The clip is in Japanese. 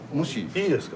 いいですか？